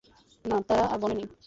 না, তারা আর বনে নেই!